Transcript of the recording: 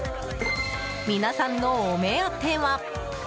皆さんの、お目当ては。